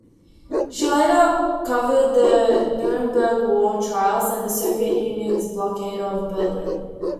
She later covered the Nuremberg war trials and the Soviet Union's blockade of Berlin.